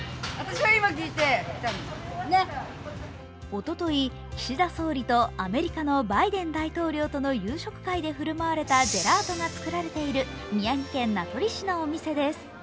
おととい、岸田総理とアメリカのバイデン大統領との夕食会で振る舞われたジェラートが作られている宮城県名取市のお店です。